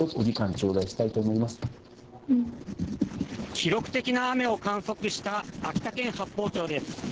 記録的な雨を観測した秋田県八峰町です。